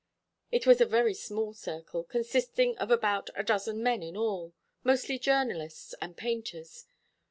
It was a very small circle, consisting of about a dozen men in all, mostly journalists and painters.